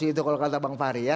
itu kalau kata bang fahri ya